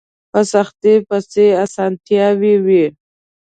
په سختۍ پسې اسانتيا وي